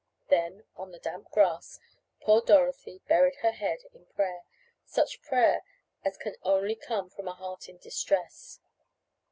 Then, on the damp grass, poor Dorothy buried her head in prayer, such prayer as can come only from a heart in distress.